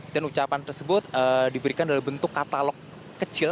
dan ucapan tersebut diberikan dari bentuk katalog kecil